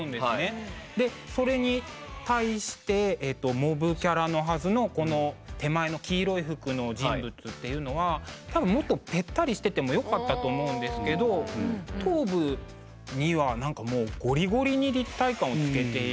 でそれに対してモブキャラのはずのこの手前の黄色い服の人物っていうのは多分もっとペッタリしててもよかったと思うんですけど頭部にはなんかもうゴリゴリに立体感をつけている。